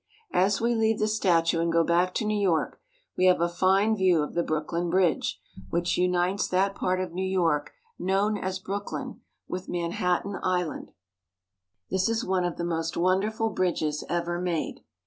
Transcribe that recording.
As we leave the statue and go back to New York we have a fine view of the Brooklyn Bridge, which unites that part of New York known as Brooklyn with Manhattan "^^^ Liberty Enlightening the World. 74 NEW YORK. Island. This is one of the most wonderful bridges ever made.